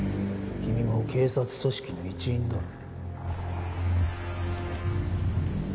君も警察組織の一員だろ。